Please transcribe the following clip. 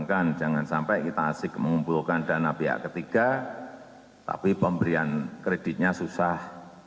jangankan jangan sampai kita asik mengumpulkan dana pihak ketiga tapi pemberian kreditnya susah